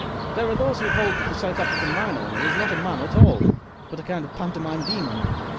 There are those who hold that the South African mine owner is not a man at all, but a kind of pantomime demon.